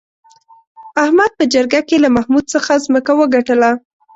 احمد په جرگه کې له محمود څخه ځمکه وگټله